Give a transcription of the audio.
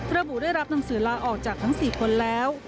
ระบุได้รับหนังสือลาออกจากทั้ง๔คนแล้ว